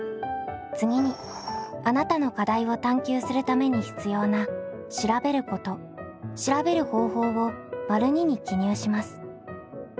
次にあなたの課題を探究するために必要な「調べること」「調べる方法」を②に記入します。